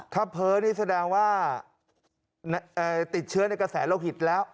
ถ้าเพ้อนี่แสดงว่าติดเชื้อในกระแสโลหิตแล้ว